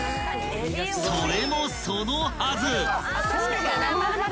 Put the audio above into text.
［それもそのはず］